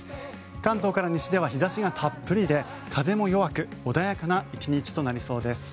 関東から西では日差しがたっぷりで風も弱く穏やかな１日となりそうです。